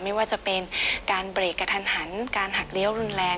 ไม่ว่าจะเป็นการเบรกกระทันหันการหักเลี้ยวรุนแรง